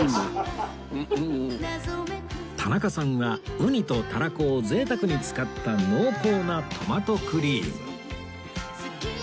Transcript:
田中さんはうにとたらこを贅沢に使った濃厚なトマトクリーム